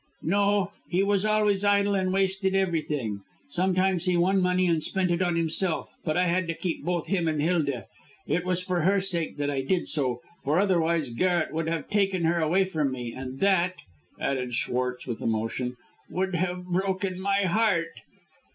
"No, he was always idle and wasted everything. Sometimes he won money and spent it on himself; but I had to keep both him and Hilda. It was for her sake that I did so, for otherwise Garret would have taken her away from me; and that," added Schwartz, with emotion, "would have broken my heart."